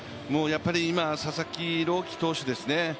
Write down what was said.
やっぱり佐々木朗希投手ですね